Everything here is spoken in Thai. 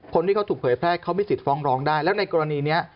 คนที่เขาถูกเผยแพร่เขามีสิทธิฟ้องร้องได้แล้วในกรณีนี้